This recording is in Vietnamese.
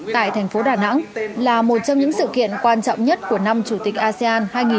tại thành phố đà nẵng là một trong những sự kiện quan trọng nhất của năm chủ tịch asean hai nghìn hai mươi